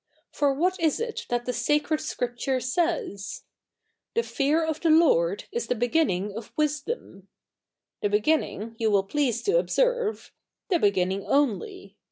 For what is it that the sacred Scrip ture says ?" Th£ fear of the Loi d is the begin?iing of wisdom.^' The beginning, you will please to observe — the begin7ting only.